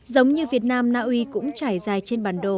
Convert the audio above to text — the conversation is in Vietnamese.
giống như việt nam naui cũng trải dài trên bản đồ